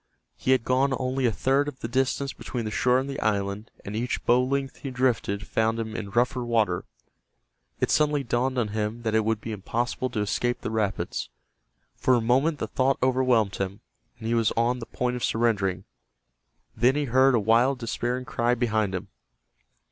He had gone only a third of the distance between the shore and the island and each bow length he drifted found him in rougher water. It suddenly dawned on him that it would be impossible to escape the rapids. For a moment the thought overwhelmed him, and he was on the point of surrendering. Then he heard a wild despairing cry behind him.